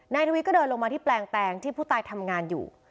ทวีก็เดินลงมาที่แปลงแปลงที่ผู้ตายทำงานอยู่